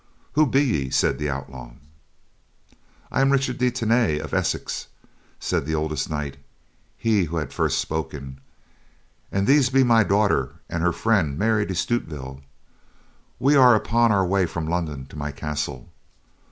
"Who be ye?" said the outlaw. "I am Richard de Tany of Essex," said the oldest knight, he who had first spoken, "and these be my daughter and her friend, Mary de Stutevill. We are upon our way from London to my castle.